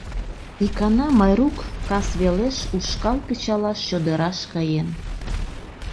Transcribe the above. Икана Майрук кас велеш ушкал кычалаш чодыраш каен.